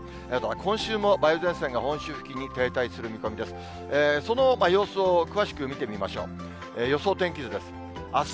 今週も梅雨前線が本州付近に停滞する見込みです。